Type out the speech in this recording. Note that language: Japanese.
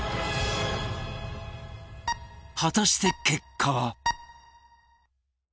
果たして結果は